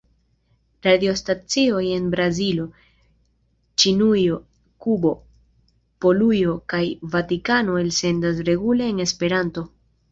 Radiostacioj en Brazilo, Ĉinujo, Kubo, Polujo kaj Vatikano elsendas regule en Esperanto.